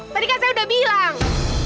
tadi kan saya udah bilang